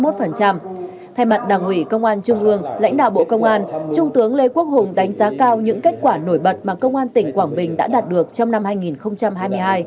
thay mặt đảng ủy công an trung ương lãnh đạo bộ công an trung tướng lê quốc hùng đánh giá cao những kết quả nổi bật mà công an tỉnh quảng bình đã đạt được trong năm hai nghìn hai mươi hai